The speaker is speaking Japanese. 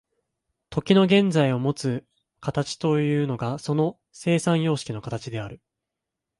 時の現在のもつ形というのがその生産様式の形である。